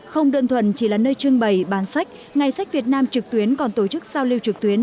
không đơn thuần chỉ là nơi trưng bày bán sách ngày sách việt nam trực tuyến còn tổ chức giao lưu trực tuyến